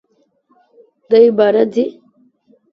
دی باره ځي!